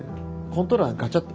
コントローラーガチャッ